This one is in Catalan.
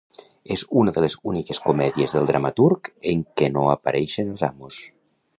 És una de les úniques comèdies del dramaturg en què no apareixen els amos.